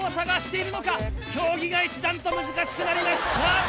競技が一段と難しくなりました！